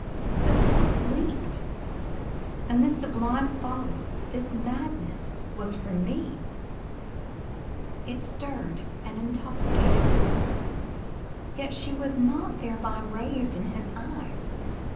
The thought leaped. "And this sublime folly this madness was for me?" It stirred and intoxicated him. Yet she was not thereby raised in his eyes.